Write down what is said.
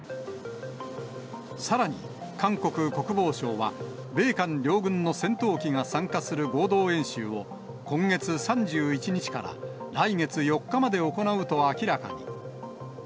さらに、韓国国防省は米韓両軍の戦闘機が参加する合同演習を、今月３１日から来月４日まで行うと明らかに。